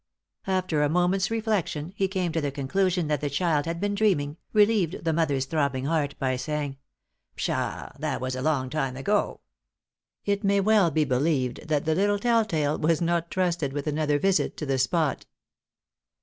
After a moment's reflection, he came to the conclusion that the child had been dreaming, relieved the mother's throbbing heart by saying, "Pshaw, that was a long time ago!" It may well be believed that the little telltale was not trusted with another visit to the spot.